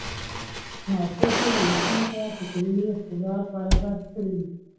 ناپوهو ولسونو ته فکري خوراک برابر کړي.